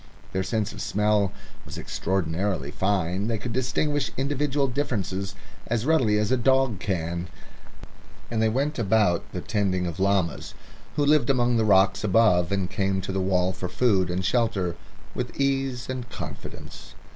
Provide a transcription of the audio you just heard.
Their sense of smell was extraordinarily fine; they could distinguish individual differences as readily as a dog can, and they went about the tending of the llamas, who lived among the rocks above and came to the wall for food and shelter, with ease and confidence.